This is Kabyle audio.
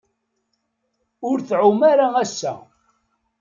Ur tɛum ara ass-a.